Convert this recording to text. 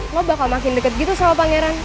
lo bakal makin deket gitu sama pangeran